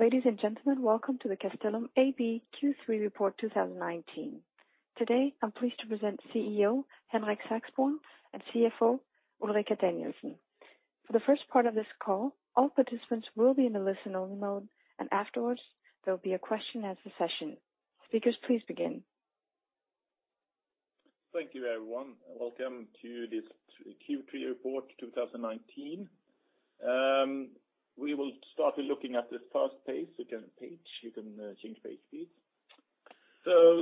Ladies and gentlemen, welcome to the Castellum AB Q3 Report 2019. Today, I'm pleased to present CEO, Henrik Saxborn, and CFO, Ulrika Danielsson. For the first part of this call, all participants will be in the listen-only mode, and afterwards there will be a question and answer session. Speakers, please begin. Thank you, everyone. Welcome to this Q3 Report 2019. We will start with looking at this first page. You can change page, please.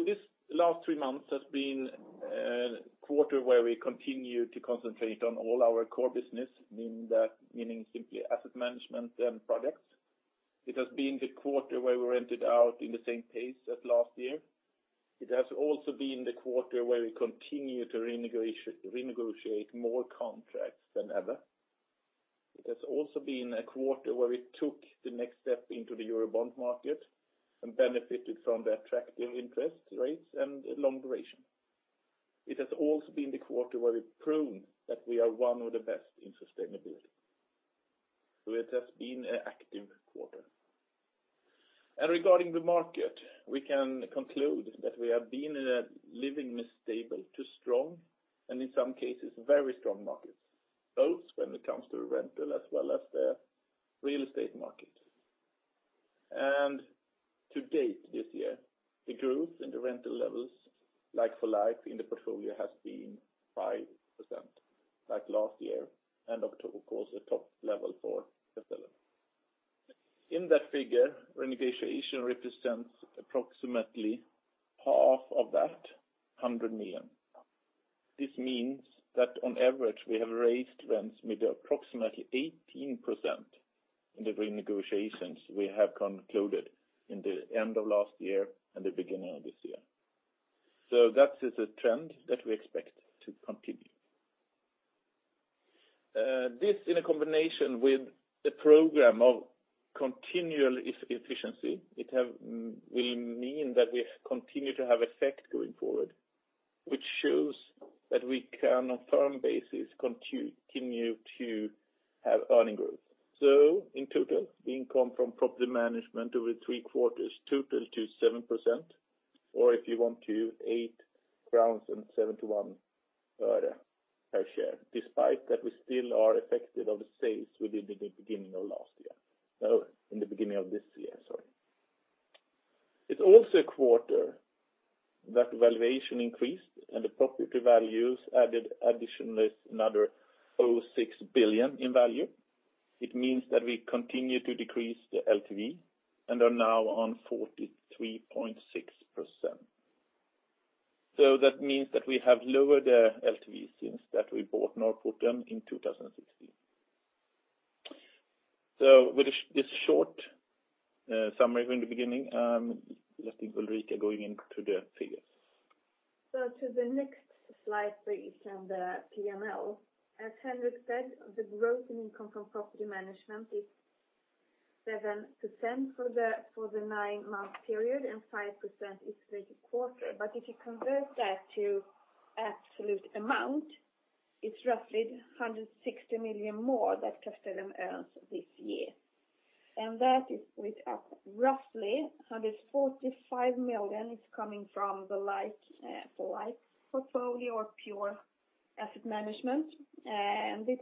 This last three months has been a quarter where we continue to concentrate on all our core business, meaning simply asset management and projects. It has been the quarter where we rented out in the same pace as last year. It has also been the quarter where we continue to renegotiate more contracts than ever. It has also been a quarter where we took the next step into the Euro bond market and benefited from the attractive interest rates and long duration. It has also been the quarter where we've proven that we are one of the best in sustainability. It has been an active quarter. Regarding the market, we can conclude that we have been living with stable to strong, and in some cases very strong markets, both when it comes to rental as well as the real estate market. To date this year, the growth in the rental levels, like-for-like, in the portfolio has been 5%, like last year, and of course, a top level for Castellum. In that figure, renegotiation represents approximately half of that 100 million. This means that on average, we have raised rents with approximately 18% in the renegotiations we have concluded in the end of last year and the beginning of this year. That is a trend that we expect to continue. This, in combination with the program of continual efficiency, will mean that we continue to have effect going forward, which shows that we can, on a firm basis, continue to have earning growth. In total, the income from property management over three quarters totals to 7%, or if you want to, 8.71 crowns per share, despite that we still are affected of the sales within the beginning of this year. It's also a quarter that valuation increased and the property values added additionally another 0.6 billion in value. It means that we continue to decrease the LTV and are now on 43.6%. That means that we have lowered the LTV since that we bought Norrporten in 2016. With this short summary in the beginning, I'll let Ulrika going into the figures. To the next slide, please, on the P&L. As Henrik said, the growth in income from property management is 7% for the nine-month period and 5% each quarter. If you convert that to absolute amount, it's roughly 160 million more that Castellum earns this year. That is with roughly 145 million is coming from the like-for-like portfolio or pure asset management, SEK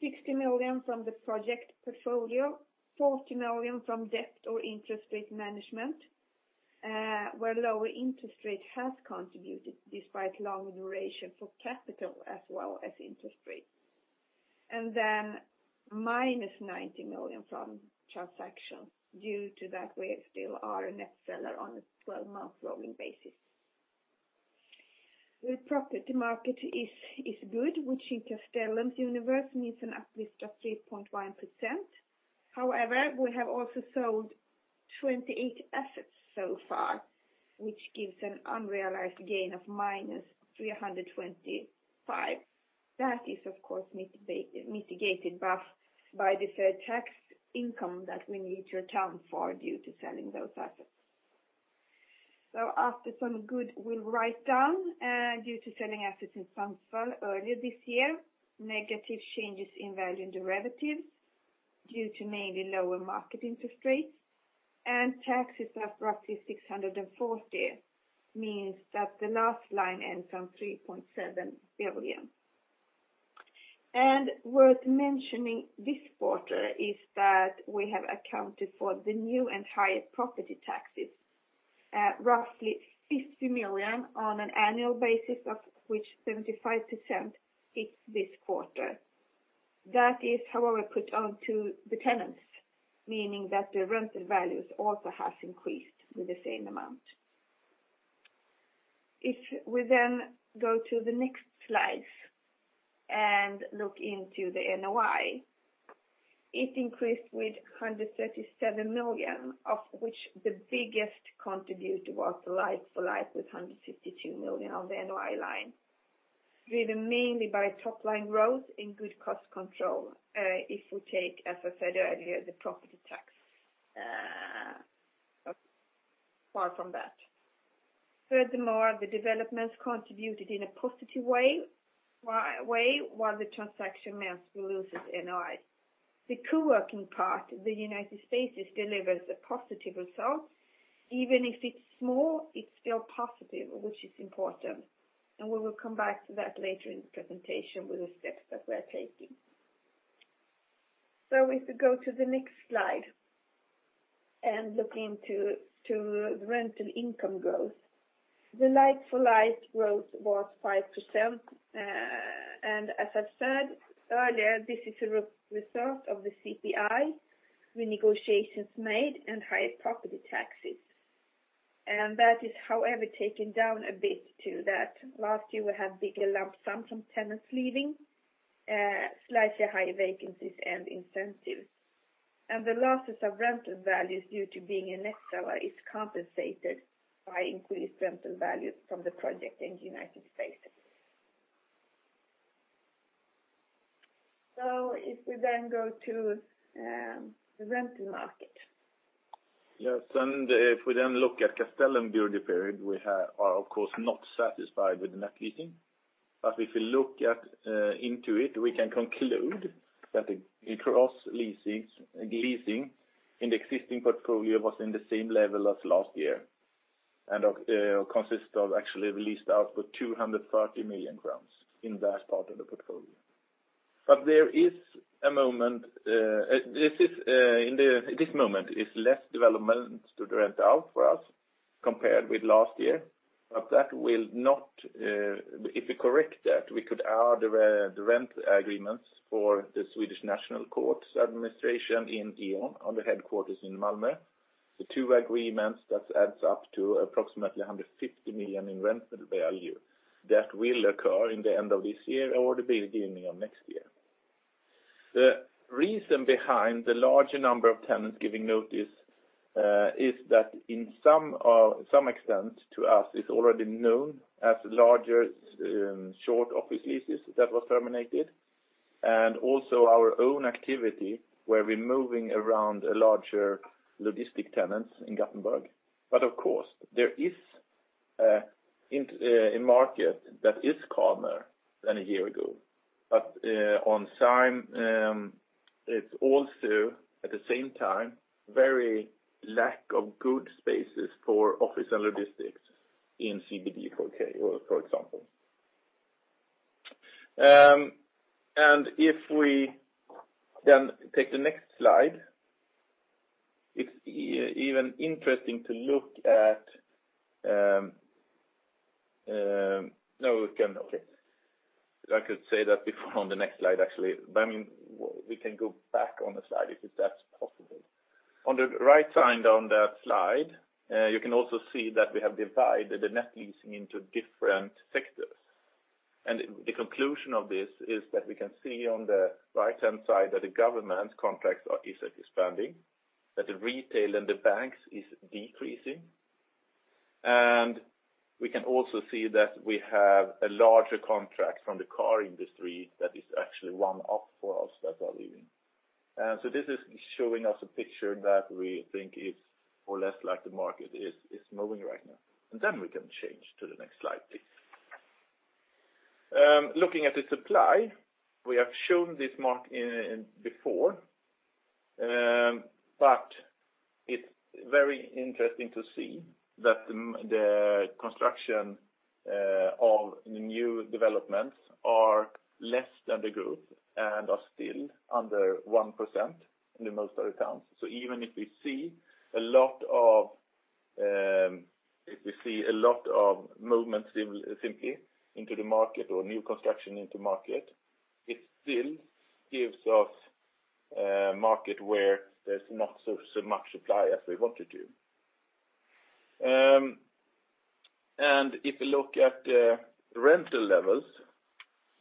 60 million from the project portfolio, 40 million from debt or interest rate management, where lower interest rate has contributed despite long duration for capital as well as interest rate, and then minus 90 million from transaction due to that we still are a net seller on a 12-month rolling basis. This was mainly driven by good rental uplift due to CPI and renegotiations made, but also lower costs if we do exclude the high property taxes that was put on to us. The property market is good, which in Castellum's universe means an uplift of 3.1%. We have also sold 28 assets so far, which gives an unrealized gain of minus 325. That is, of course, mitigated by the fair tax income that we need to account for due to selling those assets. After some goodwill write down due to selling assets in Sundsvall earlier this year, negative changes in value in derivatives due to mainly lower market interest rates, and taxes of roughly 640 means that the last line ends on 3.7 billion. Worth mentioning this quarter is that we have accounted for the new and higher property taxes. Roughly 50 million on an annual basis of which 75% hits this quarter. That is, however, put on to the tenants, meaning that the rental values also has increased with the same amount. If we go to the next slide and look into the NOI, it increased with 137 million, of which the biggest contributor was like-for-like with 152 million of the NOI line, driven mainly by top-line growth and good cost control. If we take, as I said earlier, the property tax far from that. The developments contributed in a positive way while the transaction meant we lose NOI. The co-working part in United Spaces delivers a positive result. Even if it's small, it's still positive, which is important, and we will come back to that later in the presentation with the steps that we're taking. If we go to the next slide and look into the rental income growth. The like-for-like growth was 5%, and as I said earlier, this is a result of the CPI, the negotiations made, and higher property taxes. That is, however, taken down a bit to that last year we had bigger lump sum from tenants leaving, slightly higher vacancies and incentives. The losses of rental values due to being a net seller is compensated by increased rental values from the project in United Spaces. If we then go to the rental market. If we then look at Castellum beauty period, we are, of course, not satisfied with the net leasing. If we look into it, we can conclude that the gross leasing in the existing portfolio was in the same level as last year and consists of actually leased output 230 million crowns in that part of the portfolio. In this moment, it's less development to rent out for us compared with last year. If we correct that, we could add the rent agreements for the Swedish National Courts Administration in E.ON on the headquarters in Malmö. The two agreements, that adds up to approximately 150 million SEK in rental value. That will occur in the end of this year or the beginning of next year. The reason behind the larger number of tenants giving notice is that in some extent to us is already known as larger short office leases that were terminated. Also our own activity, where we're moving around a larger logistic tenants in Gothenburg. Of course, there is a market that is calmer than a year ago. On time, it's also at the same time, very lack of good spaces for office and logistics in CBD, for example. If we then take the next slide, it's even interesting to look at. I could say that before on the next slide, actually. We can go back on the slide if that's possible. On the right side on that slide, you can also see that we have divided the net leasing into different sectors. The conclusion of this is that we can see on the right-hand side that the government contracts are expanding, that the retail and the banks is decreasing. We can also see that we have a larger contract from the car industry that is actually one up for us that are leaving. This is showing us a picture that we think is more or less like the market is moving right now. We can change to the next slide, please. Looking at the supply, we have shown this market before, but it's very interesting to see that the construction of the new developments are less than the growth and are still under 1% in the most of the towns. Even if we see a lot of movements simply into the market or new construction into market, it still gives us a market where there's not so much supply as we want it to. If you look at the rental levels,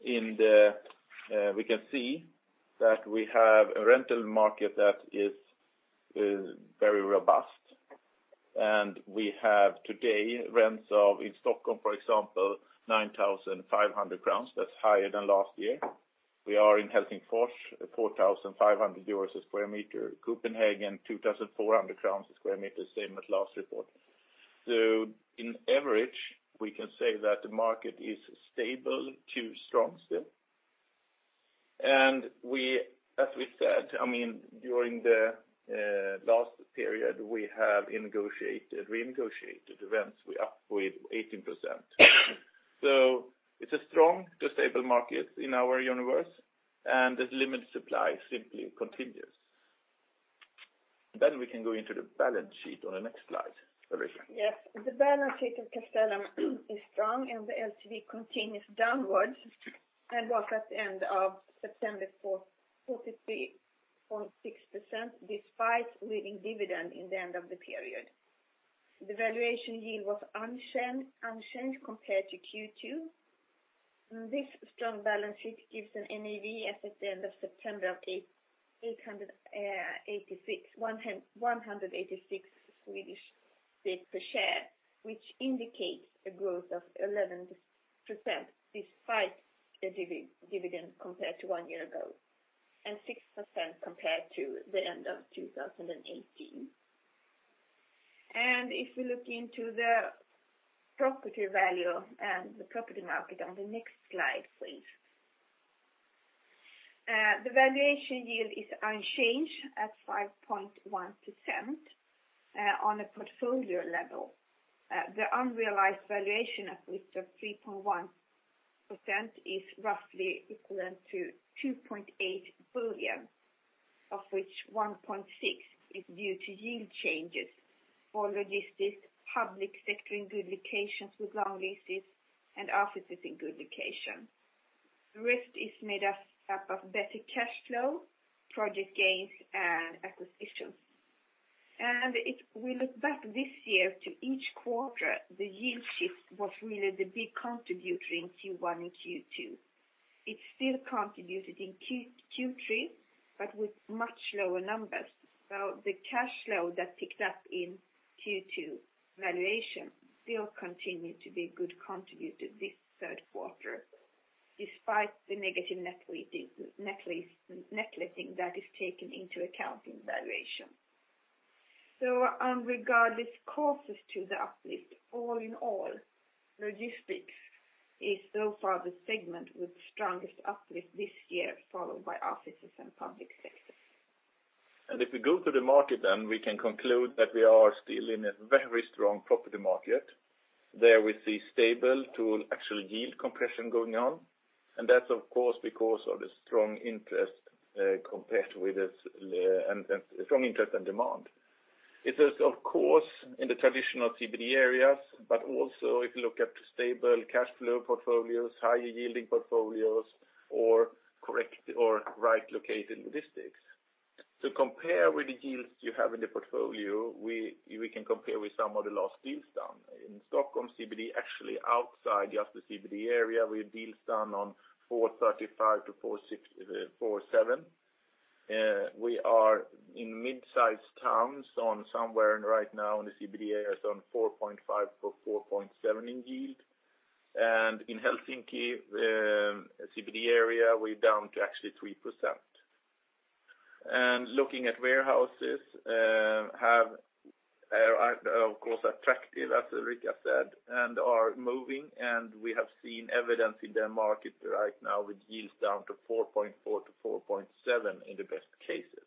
we can see that we have a rental market that is very robust. We have today rents of, in Stockholm, for example, 9,500 crowns. That's higher than last year. We are in Helsingfors, 4,500 euros a sq m. Copenhagen, 2,400 crowns a sq m, same as last report. In average, we can say that the market is stable to strong still. As we said, during the last period, we have renegotiated rents way up with 18%. It's a strong to stable market in our universe, and this limited supply simply continues. we can go into the balance sheet on the next slide, Ulrika. Yes. The balance sheet of Castellum is strong and the LTV continues downwards and was at the end of September for 43.6%, despite leaving dividend in the end of the period. The valuation yield was unchanged compared to Q2. This strong balance sheet gives an NAV as at the end of September of 186 Swedish crowns per share, which indicates a growth of 11% despite the dividend compared to one year ago, and 6% compared to the end of 2018. If we look into the property value and the property market on the next slide, please. The valuation yield is unchanged at 5.1% on a portfolio level. The unrealized valuation uplift of 3.1% is roughly equivalent to 2.8 billion, of which 1.6 is due to yield changes for logistics, public sector in good locations with long leases, and offices in good location. The rest is made up of better cash flow, project gains, and acquisitions. If we look back this year to each quarter, the yield shift was really the big contributor in Q1 and Q2. It still contributed in Q3, but with much lower numbers. The cash flow that picked up in Q2 valuation still continued to be a good contributor this third quarter, despite the negative net letting that is taken into account in valuation. Regardless causes to the uplift, all in all, logistics is so far the segment with strongest uplift this year, followed by offices and public sector. If we go to the market, we can conclude that we are still in a very strong property market. There we see stable to actual yield compression going on. That's, of course, because of the strong interest and demand. It is, of course, in the traditional CBD areas, but also if you look at stable cash flow portfolios, higher-yielding portfolios, or right-located logistics. To compare with the yields you have in the portfolio, we can compare with some of the last deals done. In Stockholm CBD, actually outside just the CBD area, we have deals done on 4.35% to 4.7%. We are in mid-sized towns on somewhere right now in the CBD areas on 4.5%-4.7% in yield. In Helsinki CBD area, we're down to actually 3%. Looking at warehouses are, of course, attractive, as Ulrika said, and are moving, and we have seen evidence in the market right now with yields down to 4.4%-4.7% in the best cases.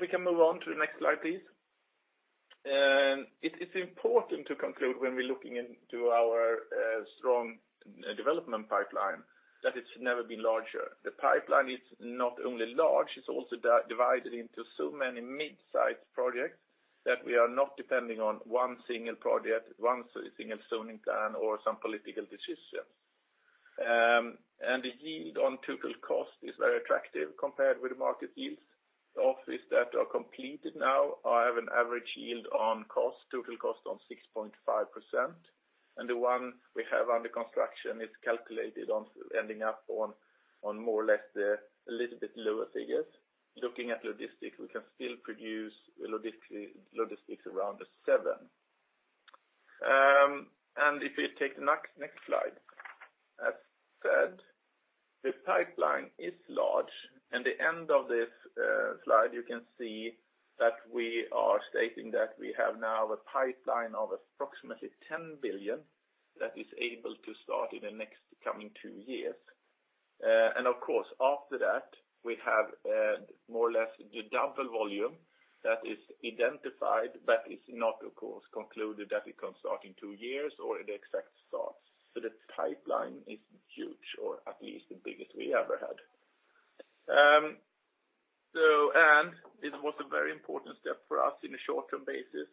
We can move on to the next slide, please. It is important to conclude when we're looking into our strong development pipeline that it's never been larger. The pipeline is not only large, it's also divided into so many mid-sized projects that we are not depending on one single project, one single zoning plan or some political decisions. The yield on total cost is very attractive compared with the market yields. The offices that are completed now have an average yield on total cost on 6.5%. The one we have under construction is calculated on ending up on more or less a little bit lower figures. Looking at logistics, we can still produce logistics around the seven. If we take the next slide. As said, the pipeline is large, and the end of this slide you can see that we are stating that we have now a pipeline of approximately 10 billion that is able to start in the next coming two years. Of course, after that, we have more or less the double volume that is identified, but it's not, of course, concluded that it can start in two years or at the exact start. The pipeline is huge or at least the biggest we ever had. This was a very important step for us in the short-term basis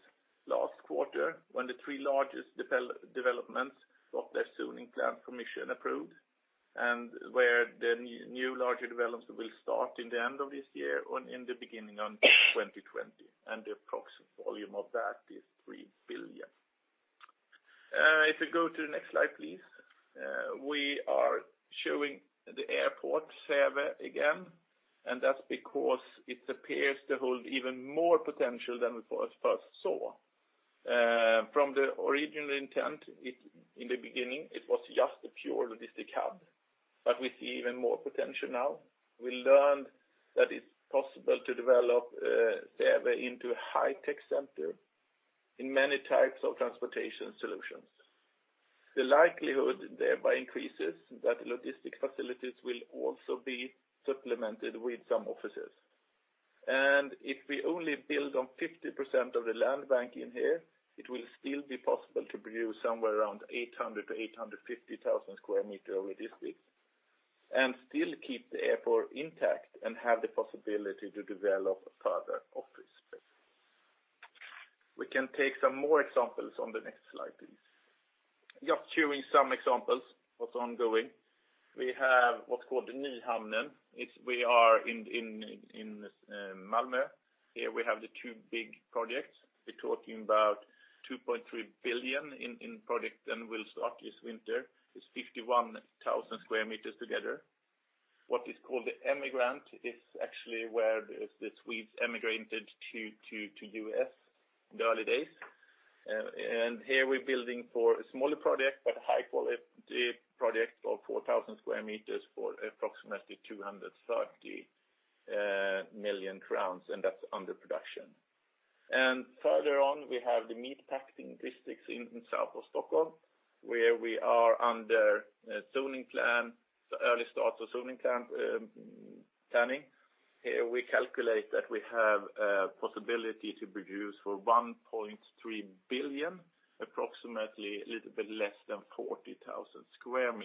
last quarter when the three largest developments got their zoning plan permission approved, and where the new larger developments will start in the end of this year or in the beginning on 2020. The approximate volume of that is 3 billion. If we go to the next slide, please. We are showing the airport, Säve, again, and that's because it appears to hold even more potential than we first saw. From the original intent in the beginning, it was just a pure logistic hub, but we see even more potential now. We learned that it's possible to develop Säve into a high-tech center in many types of transportation solutions. The likelihood thereby increases that logistic facilities will also be supplemented with some offices. If we only build on 50% of the land bank in here, it will still be possible to produce somewhere around 800,000 to 850,000 sq m of logistics and still keep the airport intact and have the possibility to develop further office space. We can take some more examples on the next slide, please. Just showing some examples, what's ongoing. We have what's called the Nyhamnen. We are in Malmö. Here we have the two big projects. We're talking about 2.3 billion in projects and will start this winter. It's 51,000 sq m together. What is called the Emigrant is actually where the Swedes emigrated to U.S. in the early days. Here we're building for a smaller project, but high-quality project of 4,000 sq m for approximately 230 million crowns, and that's under production. Further on, we have the meatpacking districts in south of Stockholm, where we are under zoning plan, the early start of zoning planning. Here we calculate that we have a possibility to produce for 1.3 billion, approximately a little bit less than 40,000 sq m.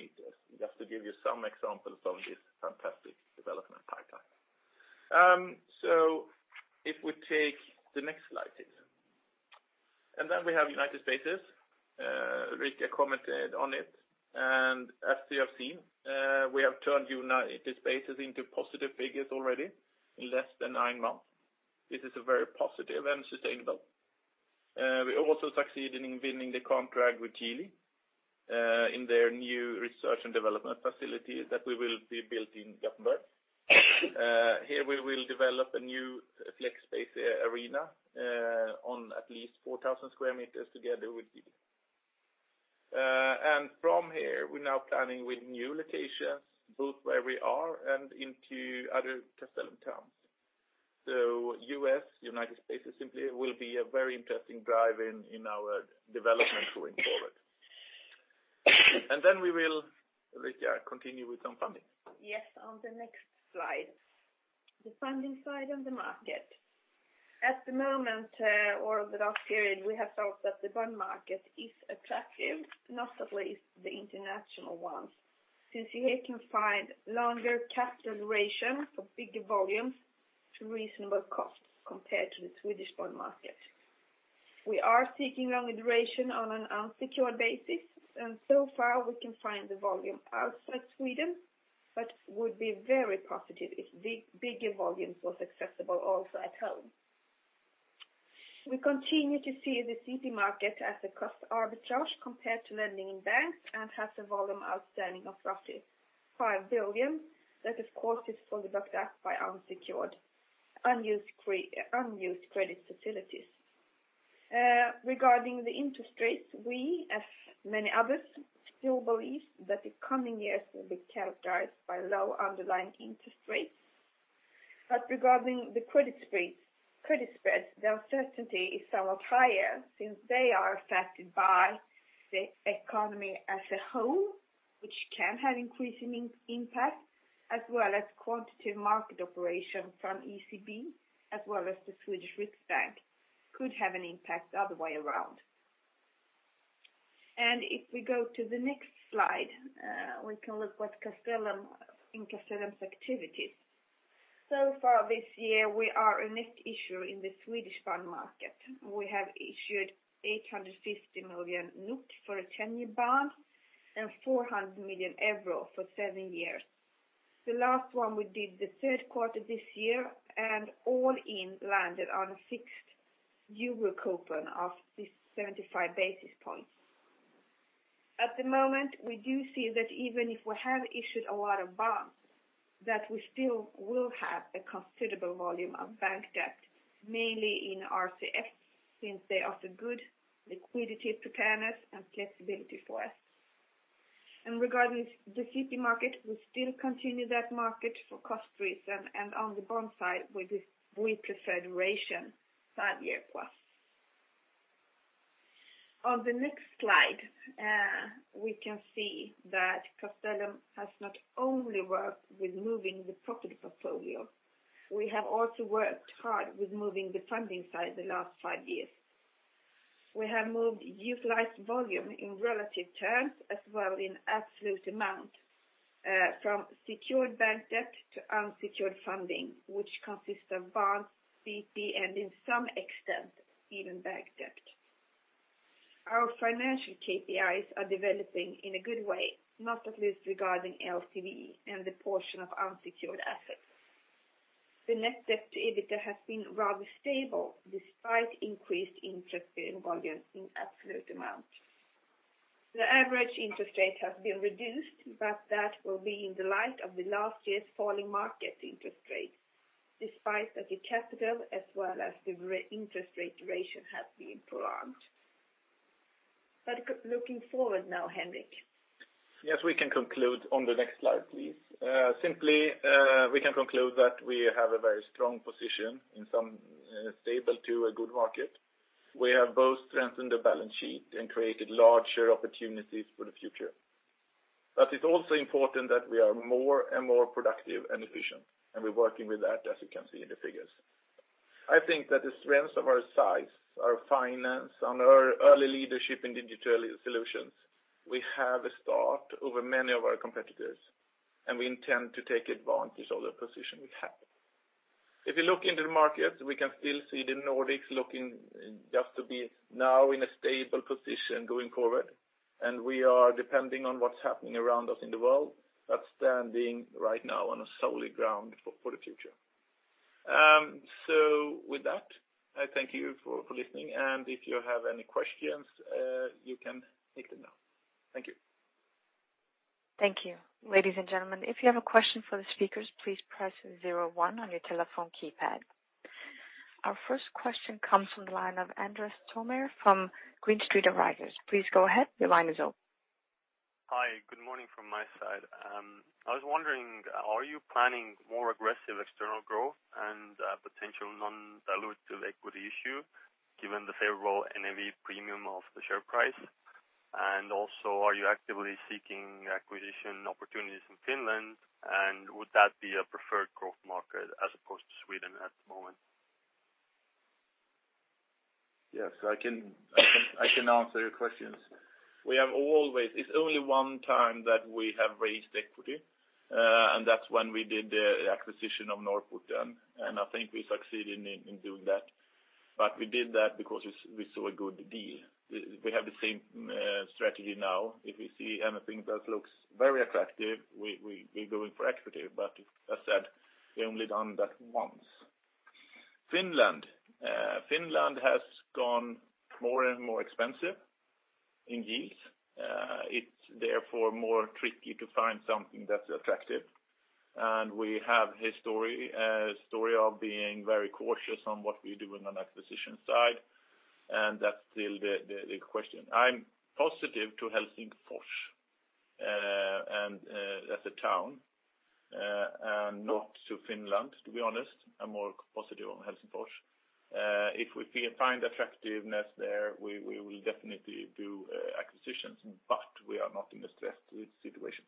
Just to give you some examples of this fantastic development pipeline. If we take the next slide, please. We have United Spaces. Rickard commented on it, and as you have seen, we have turned United Spaces into positive figures already in less than nine months. This is very positive and sustainable. We also succeeded in winning the contract with Geely in their new research and development facilities that will be built in Gothenburg. Here we will develop a new flex space arena on at least 4,000 sq m together with Geely. From here, we're now planning with new locations, both where we are and into other Castellum towns. US, United Spaces simply will be a very interesting drive in our development going forward. Then we will, Rickard, continue with some funding. Yes, on the next slide. The funding side of the market. At the moment or over the last period, we have felt that the bond market is attractive, not least the international ones, since here you can find longer capital duration for bigger volumes to reasonable costs compared to the Swedish bond market. We are seeking long duration on an unsecured basis, and so far we can find the volume outside Sweden, but would be very positive if bigger volumes was accessible also at home. We continue to see the CP market as a cost arbitrage compared to lending in banks and has a volume outstanding of roughly 5 billion. That of course is for the backstop by unsecured, unused credit facilities. Regarding the interest rates, we, as many others, still believe that the coming years will be characterized by low underlying interest rates. Regarding the credit spreads, the uncertainty is somewhat higher since they are affected by the economy as a whole, which can have increasing impact as well as quantitative market operation from ECB as well as the Sveriges Riksbank could have an impact the other way around. If we go to the next slide, we can look what's in Castellum's activities. Far this year, we are a net issuer in the Swedish bond market. We have issued 850 million for a 10-year bond and 400 million euro for seven years. The last one we did the third quarter this year and all in landed on a fixed euro coupon of 75 basis points. At the moment, we do see that even if we have issued a lot of bonds, that we still will have a considerable volume of bank debt, mainly in RCFs, since they offer good liquidity preparedness and flexibility for us. Regarding the CP market, we still continue that market for cost reason, and on the bond side with the preferred duration, five year plus. On the next slide, we can see that Castellum has not only worked with moving the property portfolio. We have also worked hard with moving the funding side the last five years. We have moved utilized volume in relative terms as well in absolute amount from secured bank debt to unsecured funding, which consists of bonds, CP, and in some extent, even bank debt. Our financial KPIs are developing in a good way, not at least regarding LTV and the portion of unsecured assets. The net debt to EBITDA has been rather stable despite increased interest-bearing volume in absolute amount. The average interest rate has been reduced, that will be in the light of the last year's falling market interest rate, despite that the capital as well as the interest rate duration has been prolonged. Looking forward now, Henrik. We can conclude on the next slide, please. We can conclude that we have a very strong position in some stable to a good market. We have both strengthened the balance sheet and created larger opportunities for the future. It's also important that we are more and more productive and efficient, and we're working with that, as you can see in the figures. I think that the strengths of our size, our finance, and our early leadership in digital solutions, we have a start over many of our competitors, and we intend to take advantage of the position we have. If you look into the market, we can still see the Nordics looking just to be now in a stable position going forward. We are depending on what's happening around us in the world. That's standing right now on a solid ground for the future. With that, I thank you for listening, and if you have any questions, you can take them now. Thank you. Thank you. Ladies and gentlemen, if you have a question for the speakers, please press 01 on your telephone keypad. Our first question comes from the line of Andres Toome from Green Street Advisors. Please go ahead. Your line is open. Hi. Good morning from my side. I was wondering, are you planning more aggressive external growth and potential non-dilutive equity issue given the favorable NAV premium of the share price? Are you actively seeking acquisition opportunities in Finland, and would that be a preferred growth market as opposed to Sweden at the moment? Yes, I can answer your questions. It's only one time that we have raised equity, and that's when we did the acquisition of Norrporten, and I think we succeeded in doing that. We did that because we saw a good deal. We have the same strategy now. If we see anything that looks very attractive, we go in for equity. As I said, we only done that once. Finland. Finland has gone more and more expensive in yields. It's therefore more tricky to find something that's attractive. We have a story of being very cautious on what we do on an acquisition side, and that's still the question. I'm positive to Helsinki as a town, and not to Finland, to be honest. I'm more positive on Helsinki. If we find attractiveness there, we will definitely do acquisitions, but we are not in a stressed situation.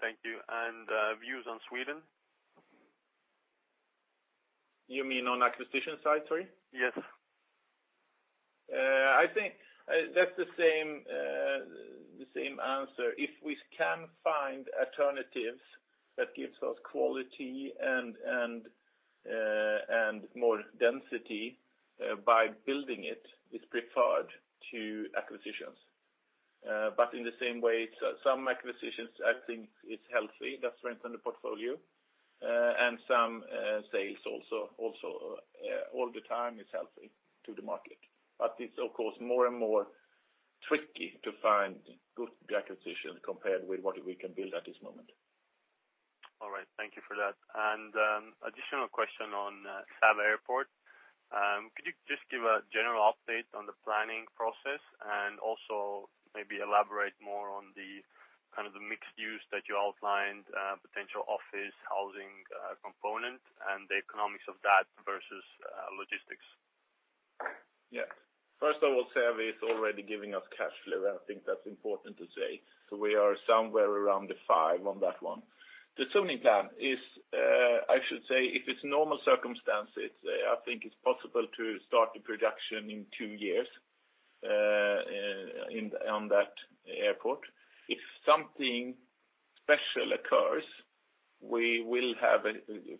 Thank you, and views on Sweden? You mean on acquisition side, sorry? Yes. I think that's the same answer. If we can find alternatives that gives us quality and more density by building it's preferred to acquisitions. In the same way, some acquisitions, I think is healthy. That strengthen the portfolio. Some sales also all the time is healthy to the market. It's of course more and more tricky to find good acquisition compared with what we can build at this moment. All right. Thank you for that. Additional question on Säve Airport. Could you just give a general update on the planning process and also maybe elaborate more on the mixed use that you outlined, potential office, housing component, and the economics of that versus logistics? First of all, Säve is already giving us cash flow. I think that's important to say. We are somewhere around the five on that one. The zoning plan is, I should say if it's normal circumstances, I think it's possible to start the production in two years on that airport. If something special occurs, we will have a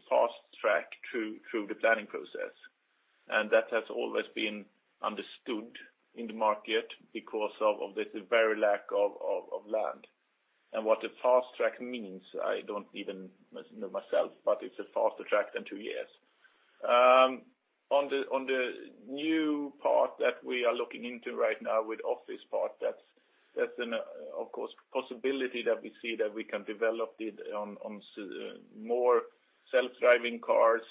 fast track through the planning process. That has always been understood in the market because of this very lack of land. What a fast track means, I don't even know myself, but it's a faster track than two years. On the new part that we are looking into right now with office part, that's an, of course, possibility that we see that we can develop it on more self-driving cars,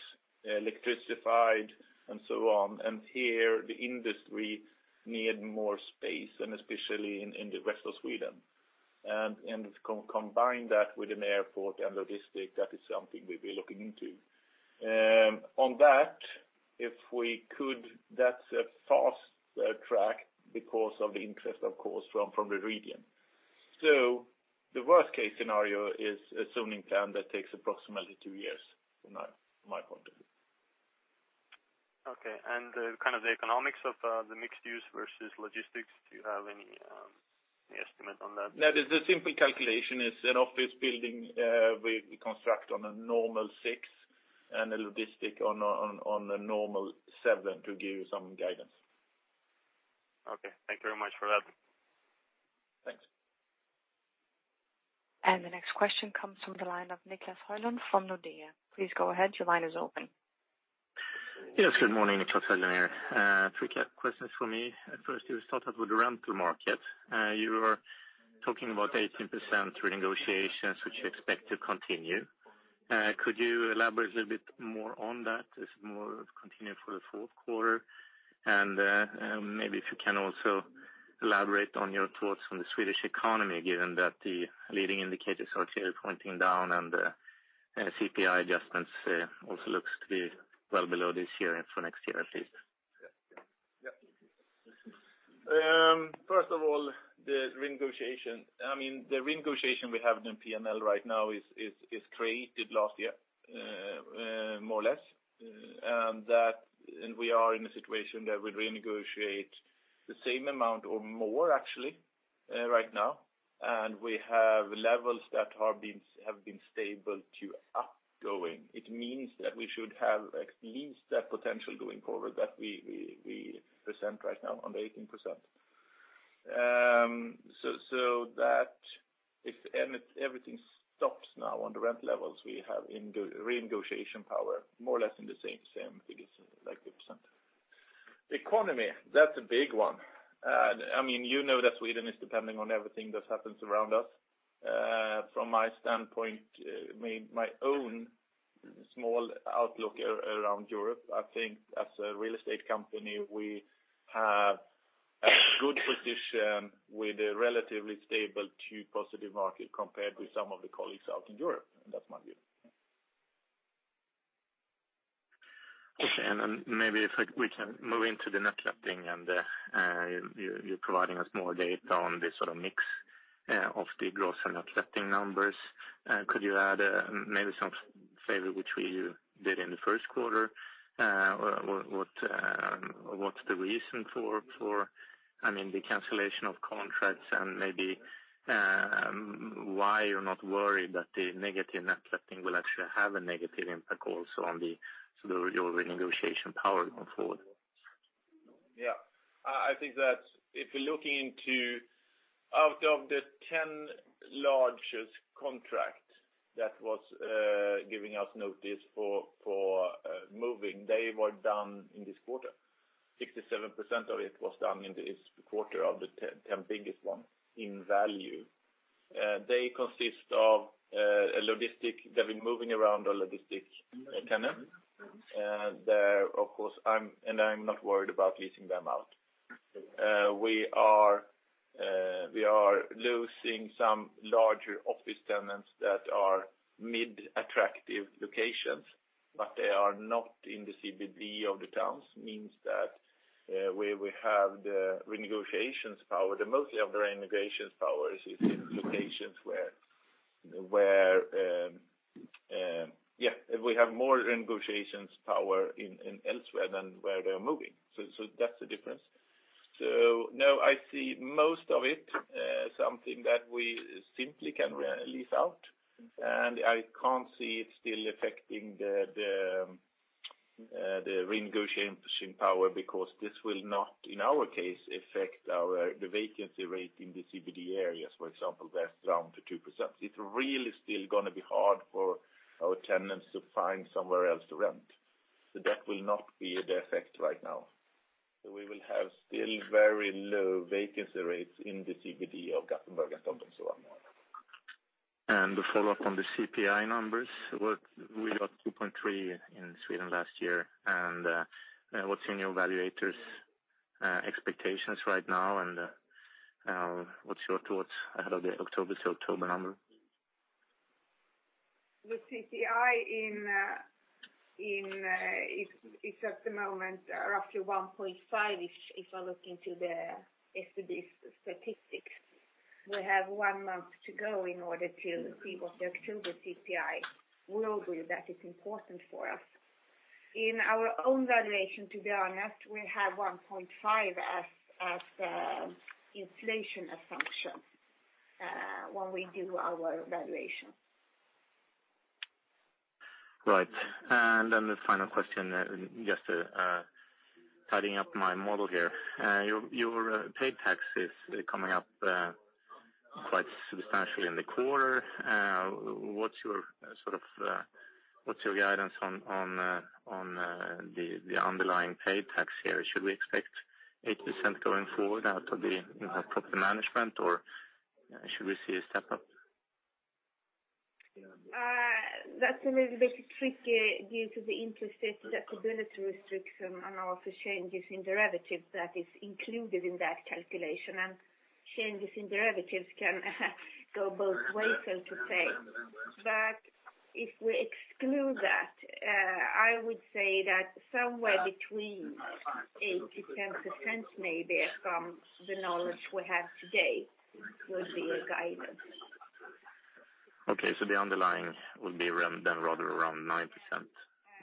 electrified and so on. Here the industry need more space, and especially in the rest of Sweden. Combine that with an airport and logistic, that is something we'll be looking into. On that's a fast track because of the interest, of course, from the region. The worst-case scenario is a zoning plan that takes approximately two years, from my point of view. Okay. The economics of the mixed use versus logistics, do you have any estimate on that? That is a simple calculation. It's an office building we construct on a normal six, and a logistic on a normal seven to give you some guidance. Okay. Thank you very much for that. Thanks. The next question comes from the line of Niclas Höglund from Nordea. Please go ahead. Your line is open. Yes. Good morning. Niclas Höglund here. Three questions for me. First, you start out with the rental market. You were talking about 18% renegotiations, which you expect to continue. Could you elaborate a little bit more on that? Is it more continue for the fourth quarter? Maybe if you can also elaborate on your thoughts on the Swedish economy, given that the leading indicators are clearly pointing down and the CPI adjustments also looks to be well below this year for next year, at least. Yes. First of all, the renegotiation we have in P&L right now is created last year, more or less. We are in a situation that we renegotiate the same amount or more actually right now. We have levels that have been stable to up going. It means that we should have at least that potential going forward that we present right now on the 18%. If everything stops now on the rent levels we have renegotiation power, more or less in the same figures, like the %. Economy, that's a big one. You know that Sweden is depending on everything that happens around us. From my standpoint, my own small outlook around Europe, I think as a real estate company, we have a good position with a relatively stable to positive market compared with some of the colleagues out in Europe. That's my view. Okay. Maybe if we can move into the net letting and you're providing us more data on the sort of mix of the gross and net letting numbers. Could you add maybe some flavor, which we did in the first quarter? What's the reason for the cancellation of contracts and maybe why you're not worried that the negative net letting will actually have a negative impact also on your renegotiation power going forward? I think that if you're looking into out of the 10 largest contracts that was giving us notice for moving, they were done in this quarter. 67% of it was done in this quarter of the 10 biggest ones in value. They consist of a logistic. They've been moving around our logistic tenant. I'm not worried about leasing them out. We are losing some larger office tenants that are mid attractive locations, but they are not in the CBD of the towns, means that we will have the renegotiations power. The mostly of the renegotiations power is in locations where we have more negotiations power in elsewhere than where they are moving. That's the difference. No, I see most of it something that we simply can re-lease out, and I can't see it still affecting the renegotiation power because this will not, in our case, affect the vacancy rate in the CBD areas. For example, that's down to 2%. It really still going to be hard for our tenants to find somewhere else to rent. That will not be the effect right now. We will have still very low vacancy rates in the CBD of Gothenburg and Stockholm, so on. A follow-up on the CPI numbers. We got 2.3% in Sweden last year. What's in your valuator's expectations right now? What's your thoughts ahead of the October number? The CPI is at the moment roughly 1.5-ish, if I look into the SCB statistics. We have one month to go in order to see what the October CPI will be that is important for us. In our own valuation, to be honest, we have 1.5 as the inflation assumption when we do our valuation. Right. The final question, just tidying up my model here. Your pay tax is coming up quite substantially in the quarter. What's your guidance on the underlying pay tax here? Should we expect 8% going forward out of the property management, or should we see a step up? That's a little bit tricky due to the interest deductibility restriction and also changes in derivatives that is included in that calculation. Changes in derivatives can go both ways, so to say. If we exclude that, I would say that somewhere between 8%-10% maybe from the knowledge we have today will be a guidance. Okay. The underlying will be then rather around 9%.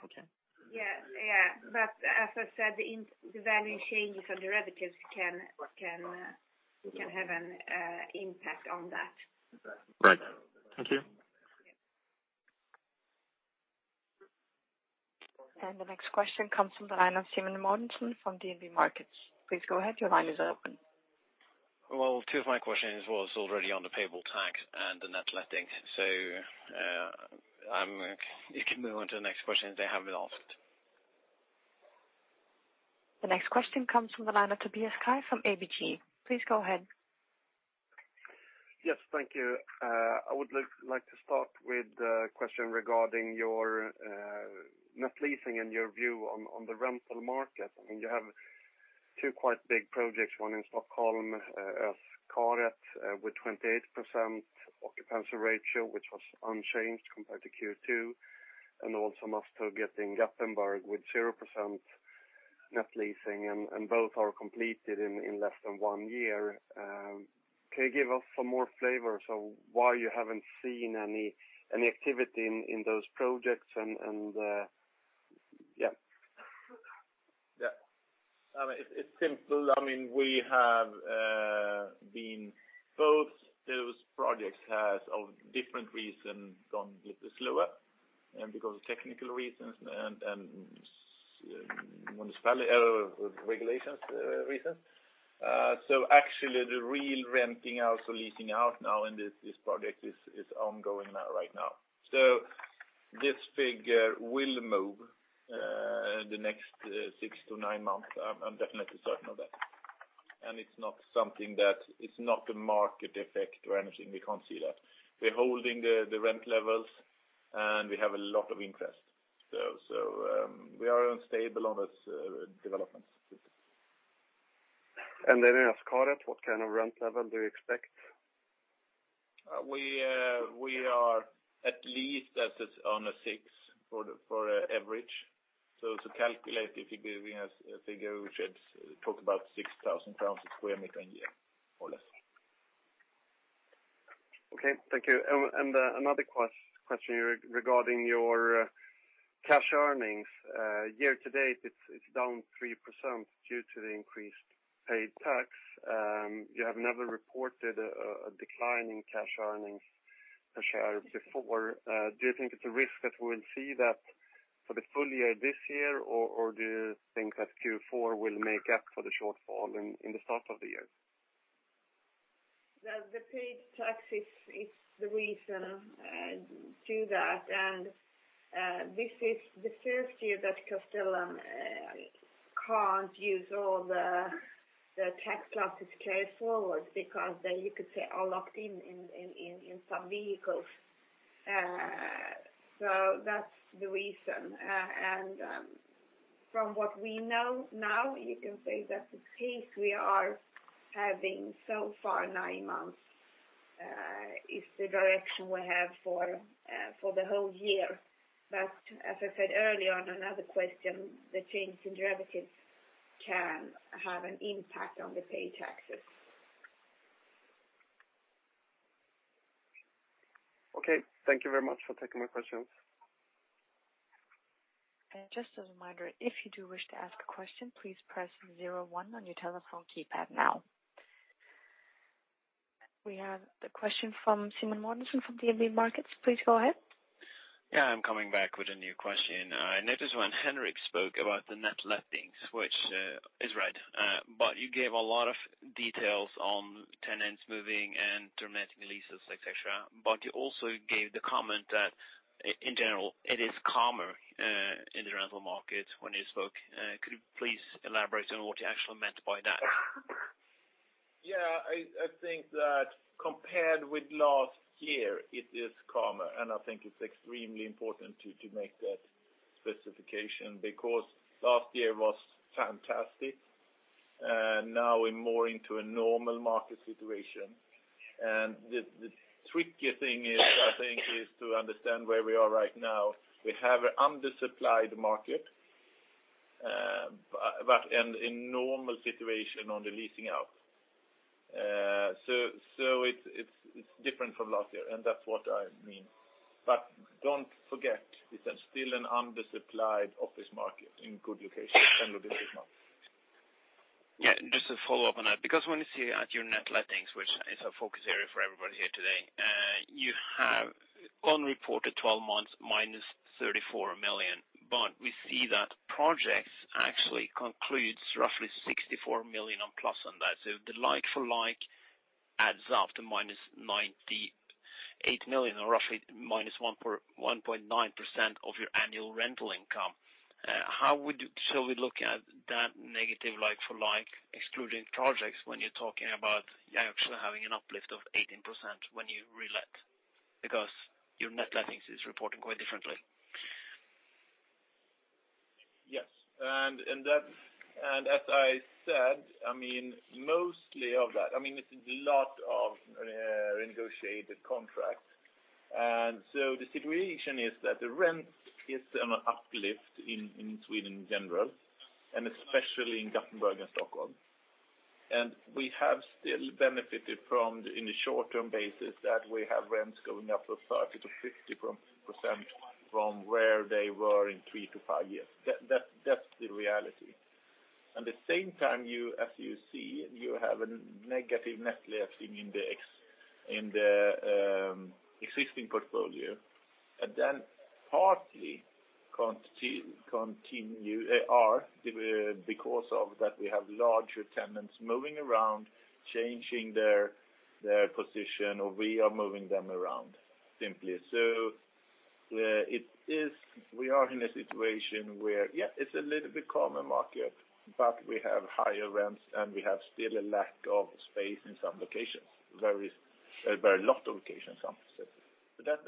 Okay. Yeah. As I said, the value changes of derivatives can have an impact on that. Right. Thank you. The next question comes from the line of Simen Mortensen from DNB Markets. Please go ahead. Your line is open. Well, two of my questions was already on the payable tax and the net letting. You can move on to the next question. They have been answered. The next question comes from the line of Tobias Kaj from ABG. Please go ahead. Yes. Thank you. I would like to start with a question regarding your net leasing and your view on the rental market. You have two quite big projects, one in Stockholm, Östkaret, with 28% occupancy ratio, which was unchanged compared to Q2, and also Masthugget in Gothenburg with 0% net leasing, and both are completed in less than one year. Can you give us some more flavor why you haven't seen any activity in those projects? It's simple. Both those projects has, of different reason, gone a bit slower. Because of technical reasons and municipality regulations reasons. Actually, the real renting out, so leasing out now in this project is ongoing right now. This figure will move the next six to nine months. I'm definitely certain of that. It's not a market effect or anything. We can't see that. We're holding the rent levels, and we have a lot of interest. We are unstable on those developments. I ask, what kind of rent level do you expect? We are at least at a six for the average. To calculate, if we have a figure, we should talk about SEK 6,000 a sq m a year or less. Okay. Thank you. Another question regarding your cash earnings. Year to date, it's down 3% due to the increased paid tax. You have never reported a decline in cash earnings per share before. Do you think it's a risk that we'll see that for the full year this year, or do you think that Q4 will make up for the shortfall in the start of the year? The paid tax is the reason to that, and this is the first year that Castellum can't use all the tax losses carry forward because they, you could say, are locked in some vehicles. That's the reason. From what we know now, you can say that the case we are having so far nine months, is the direction we have for the whole year. As I said earlier on another question, the change in derivatives can have an impact on the paid taxes. Okay. Thank you very much for taking my questions. Just as a reminder, if you do wish to ask a question, please press 01 on your telephone keypad now. We have the question from Simen Mortensen from DNB Markets. Please go ahead. Yeah. I'm coming back with a new question. I noticed when Henrik spoke about the net lettings, which is right. You gave a lot of details on tenants moving and terminating leases, et cetera. You also gave the comment that in general, it is calmer in the rental market when you spoke. Could you please elaborate on what you actually meant by that? Yeah, I think that compared with last year, it is calmer. I think it's extremely important to make that specification, because last year was fantastic. Now we're more into a normal market situation. The tricky thing is, I think, is to understand where we are right now. We have an undersupplied market, but in normal situation on the leasing out. It's different from last year, and that's what I mean. Don't forget, it's still an undersupplied office market in good locations and good markets. Yeah. Just to follow up on that, when you see at your net lettings, which is a focus area for everybody here today, you have on reported 12 months -34 million. We see that projects actually concludes roughly 64 million on plus on that. The like-for-like adds up to -98 million or roughly -1.9% of your annual rental income. Shall we look at that negative like-for-like excluding projects when you're talking about you actually having an uplift of 18% when you relet? Your net lettings is reporting quite differently. Yes. As I said, mostly of that, it is lot of renegotiated contracts. The situation is that the rent is on an uplift in Sweden in general, and especially in Gothenburg and Stockholm. We have still benefited from, in the short-term basis, that we have rents going up to 30%-50% from where they were in 3 to 5 years. That's the reality. At the same time, as you see, you have a negative net letting index in the existing portfolio. Partly continue are because of that we have larger tenants moving around, changing their position, or we are moving them around simply. We are in a situation where, yeah, it's a little bit calmer market, but we have higher rents and we have still a lack of space in some locations. Very lot of locations some. That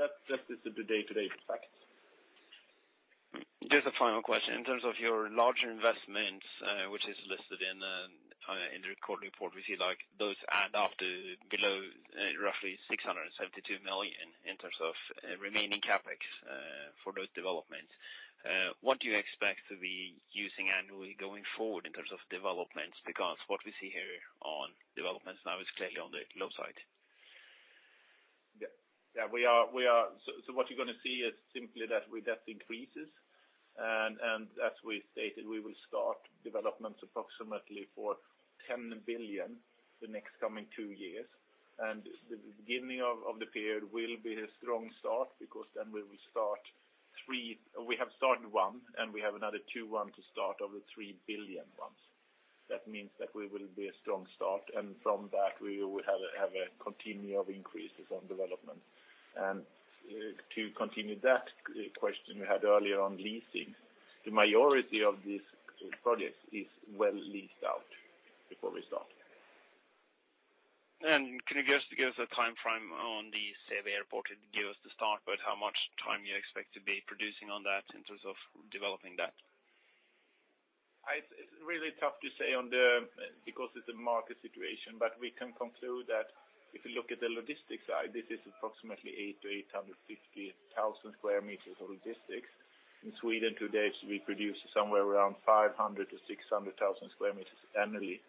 is the day-to-day fact. Just a final question. In terms of your larger investments, which is listed in the recorded report, we see like those add up to below roughly 672 million in terms of remaining CapEx for those developments. What do you expect to be using annually going forward in terms of developments? Because what we see here on developments now is clearly on the low side. What you're going to see is simply that that increases. As we stated, we will start developments approximately for 10 billion the next coming two years. The beginning of the period will be a strong start because we will start three. We have started one, and we have another two to start over 3 billion ones. That means that we will be a strong start. From that, we will have a continue of increases on development. To continue that question we had earlier on leasing, the majority of these projects is well leased out before we start. Can you just give us a timeframe on the Säve Airport? Give us the start, but how much time you expect to be producing on that in terms of developing that? It's really tough to say on the, because it's a market situation. We can conclude that if you look at the logistics side, this is approximately 8-850,000 sq m of logistics. In Sweden today, we produce somewhere around 500,000-600,000 sq m annually.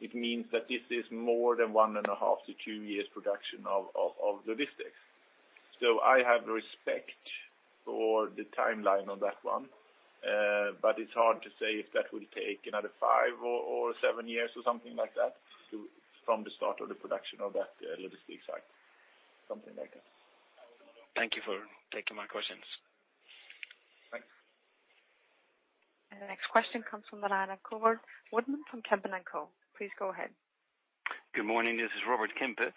It means that this is more than 1.5-2 years production of logistics. I have respect for the timeline on that one. It's hard to say if that will take another five or seven years or something like that from the start of the production of that logistics site. Thank you for taking my questions. Thanks. The next question comes from the line of [Robert Kempe] from Kempen & Co. Please go ahead. Good morning. This is Robert Kempe.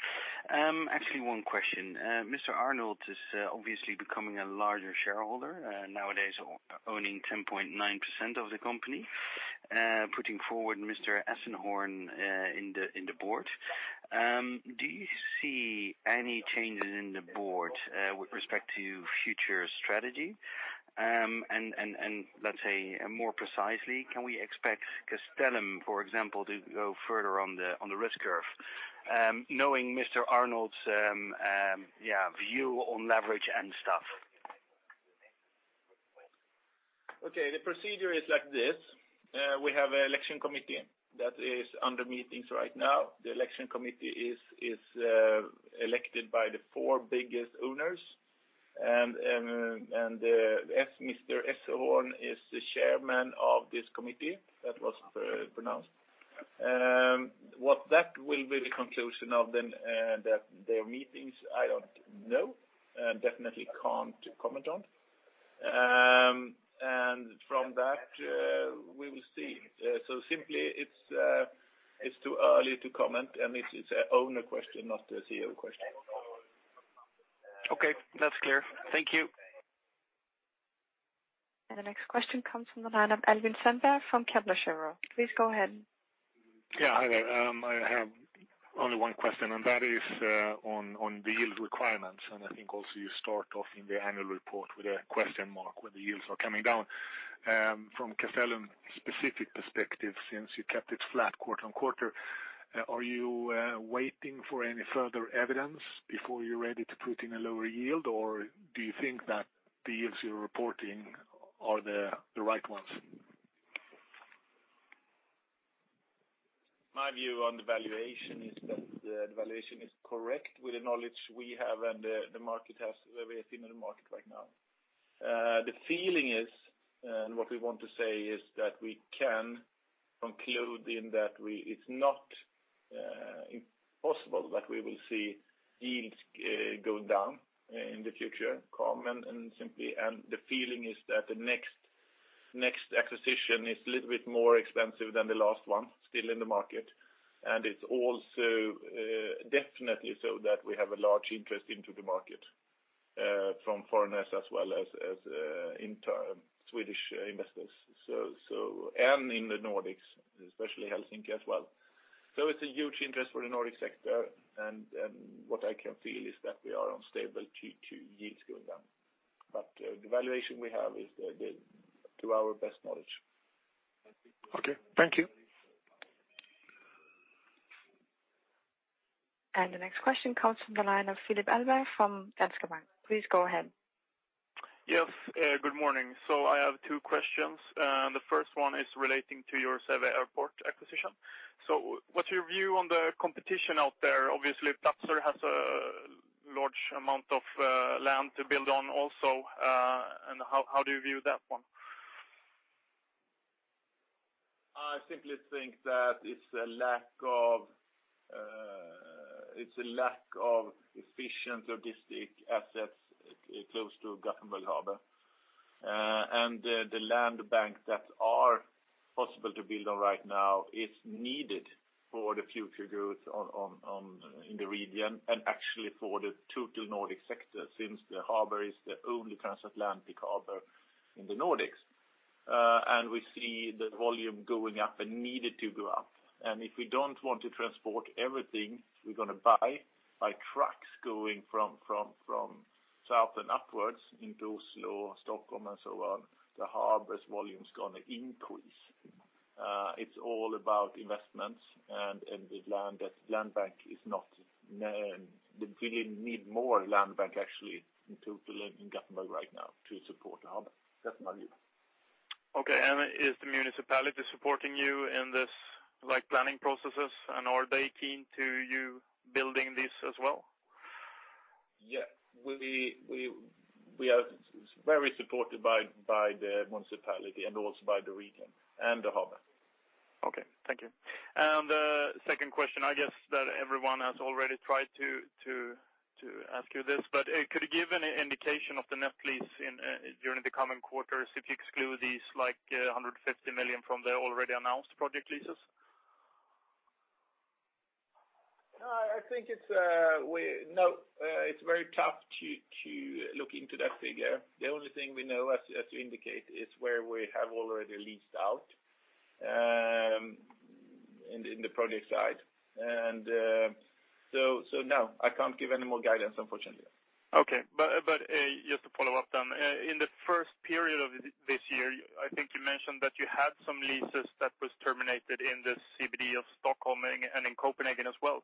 Actually one question. Rutger Arnhult is obviously becoming a larger shareholder, nowadays owning 10.9% of the company, putting forward Mr. Essehorn in the board. Do you see any changes in the board with respect to future strategy? Let's say more precisely, can we expect Castellum, for example, to go further on the risk curve knowing Rutger Arnhult's view on leverage and stuff? The procedure is like this. We have an election committee that is under meetings right now. The election committee is elected by the four biggest owners. Mr. Essehorn is the chairman of this committee that was pronounced. What that will be the conclusion of their meetings, I don't know, definitely can't comment on. From that, we will see. Simply it's too early to comment, and this is an owner question, not the CEO question. Okay. That's clear. Thank you. The next question comes from the line of Albin Sandberg from Kepler Cheuvreux. Please go ahead. Yeah. Hi there. I have only one question and that is on the yield requirements. I think also you start off in the annual report with a question mark where the yields are coming down. From Castellum specific perspective, since you kept it flat quarter-on-quarter, are you waiting for any further evidence before you're ready to put in a lower yield or do you think that the yields you're reporting are the right ones? My view on the valuation is that the valuation is correct with the knowledge we have and the way we have seen in the market right now. The feeling is, what we want to say is that we can conclude in that it's not impossible that we will see yields go down in the future, calm and simply. The feeling is that the next acquisition is a little bit more expensive than the last one still in the market. It's also definitely so that we have a large interest into the market from foreigners as well as intra-Swedish investors. In the Nordics, especially Helsinki as well. It's a huge interest for the Nordic sector. What I can feel is that we are on stable yields going down. The valuation we have is to our best knowledge. Okay. Thank you. The next question comes from the line of Philip Hallberg from Danske Bank. Please go ahead. Yes. Good morning. I have two questions. The first one is relating to your Säve Airport acquisition. What's your view on the competition out there? Obviously, Tapster has a large amount of land to build on also. How do you view that one? I simply think that it's a lack of efficient logistic assets close to Gothenburg Harbor. The land bank that are possible to build on right now is needed for the future growth in the region and actually for the total Nordic sector since the harbor is the only transatlantic harbor in the Nordics. We see the volume going up and needed to go up. If we don't want to transport everything we're going to buy by trucks going from south and upwards into Oslo, Stockholm and so on, the harbors volume is going to increase. It's all about investments. We need more land bank actually in total in Gothenburg right now to support the harbor. That's my view. Okay. Is the municipality supporting you in this planning processes and are they keen to you building this as well? Yeah. We are very supported by the municipality and also by the region and the harbor. Okay. Thank you. The second question, I guess that everyone has already tried to ask you this, but could you give an indication of the net lease during the coming quarters if you exclude these 150 million from the already announced project leases? No. It's very tough to look into that figure. The only thing we know, as you indicate, is where we have already leased out in the project side. No, I can't give any more guidance, unfortunately. Okay. Just to follow up then, in the first period of this year, I think you mentioned that you had some leases that was terminated in the CBD of Stockholm and in Copenhagen as well.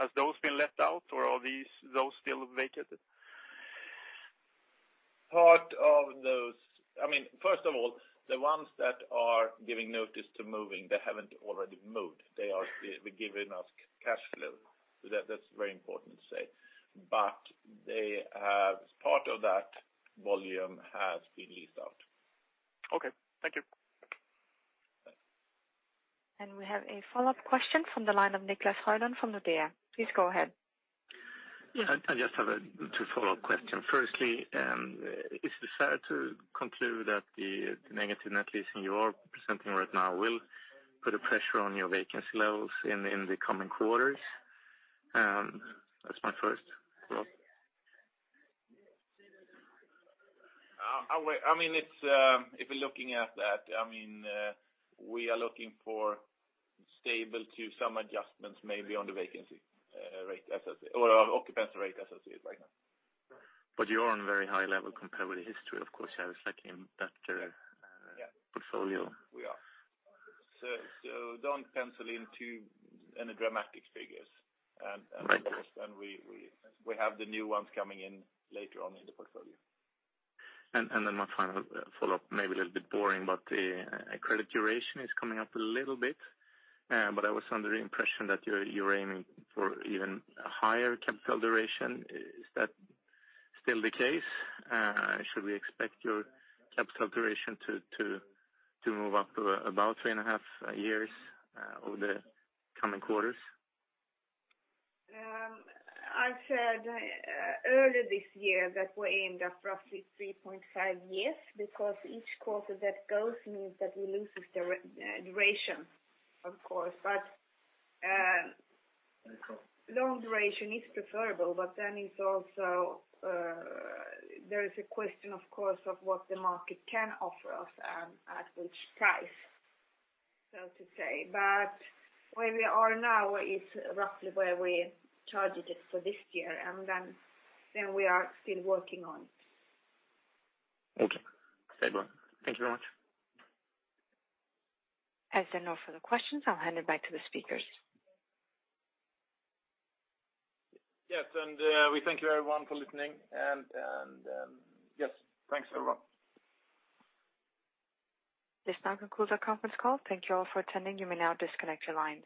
Has those been let out or are those still vacant? First of all, the ones that are giving notice to moving, they haven't already moved. They are giving us cash flow. That's very important to say. Part of that volume has been leased out. Okay. Thank you. Thanks. We have a follow-up question from the line of Niclas Höglund from Nordea. Please go ahead. Yeah. I just have two follow-up question. Firstly, is it fair to conclude that the negative net leasing you are presenting right now will put a pressure on your vacancy levels in the coming quarters? That's my first follow-up. If you're looking at that, we are looking for stable to some adjustments maybe on the vacancy rate, or occupancy rate as I see it right now. You're on very high level compared with the history, of course. I was looking at that portfolio. Yeah. We are. Don't pencil in too dramatic figures. Right. Of course, we have the new ones coming in later on in the portfolio. My final follow-up, maybe a little bit boring, but credit duration is coming up a little bit. I was under the impression that you're aiming for even a higher capital duration. Is that still the case? Should we expect your capital duration to move up to about 3.5 years over the coming quarters? I said earlier this year that we aimed at roughly 3.5 years because each quarter that goes means that we lose duration, of course. That's correct. long duration is preferable. There is a question, of course, of what the market can offer us and at which price, so to say. Where we are now is roughly where we targeted it for this year, and then we are still working on it. Okay. Thank you very much. As there are no further questions, I'll hand it back to the speakers. Yes. We thank you, everyone, for listening, and yes, thanks, everyone. This now concludes our conference call. Thank you all for attending. You may now disconnect your lines.